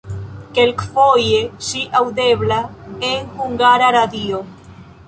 Kelkfoje ŝi aŭdebla en Hungara Radio.